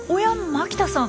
牧田さん